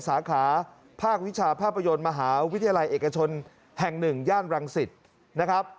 สาขาภาควิชาภาพยนตร์มหาวิทยาลัยเอกชนแห่ง๑ย่านรังสิตนะครับ